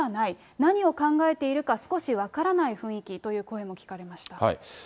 何を考えているか、少し分からない雰囲気という声も聞かれました。